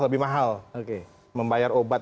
lebih mahal membayar obat